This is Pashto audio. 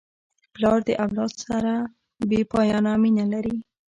پلار د اولاد سره بېپایانه مینه لري.